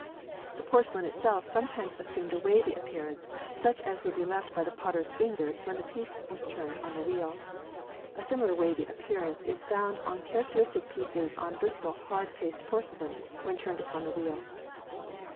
The porcelain itself sometimes assumed a wavy appearance, such as would be left by the potter's fingers when the piece was turned on the wheel. A similar wavy appearance is found on characteristic pieces on Bristol hard paste porcelain when turned upon the wheel.